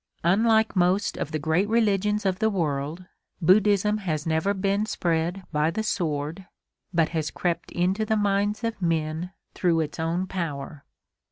Unlike most of the great religions of the world, Buddhism has never been spread by the sword, but has crept into the minds of men through its own power.